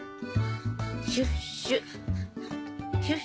シュッシュッ。